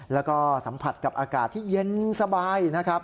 แล้วก็สัมผัสกับอากาศที่เย็นสบายนะครับ